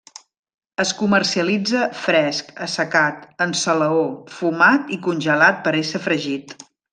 Es comercialitza fresc, assecat, en salaó, fumat i congelat per a ésser fregit.